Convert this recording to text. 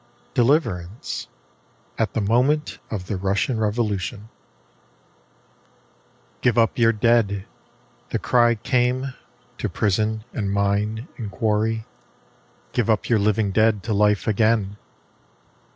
DELIVERANCE? {At the moment of the Russian Revolution) " Give up your dead," the cry came, to prison and mine and quarry, " Give up your living dead to life again!